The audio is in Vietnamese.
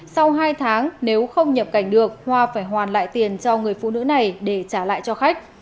sau hai tháng nếu không nhập cảnh được hoa phải hoàn lại tiền cho người phụ nữ này để trả lại cho khách